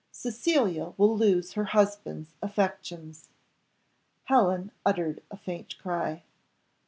Cecilia will lose her husband's affections!" Helen uttered a faint cry.